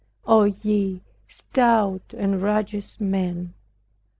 Oh, ye stout and righteous men!